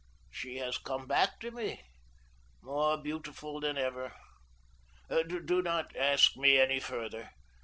She has come back to me, more beautiful than ever. Do not ask me any further.